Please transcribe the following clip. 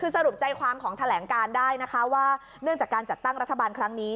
คือสรุปใจความของแถลงการได้นะคะว่าเนื่องจากการจัดตั้งรัฐบาลครั้งนี้